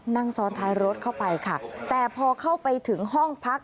นั่งซ้อนท้ายรถเข้าไปค่ะแต่พอเข้าไปถึงห้องพัก